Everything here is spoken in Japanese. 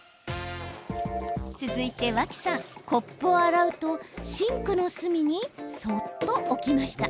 続いて脇さん、コップを洗うとシンクの隅にそっと置きました。